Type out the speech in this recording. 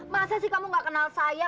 masa sih kamu gak kenal saya